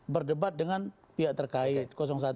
berdebat dengan pihak terkait